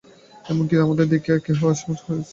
এমন কি আমাকে দেখিয়া কেহ কেহ হাসিতে আরম্ভ করিয়াছে।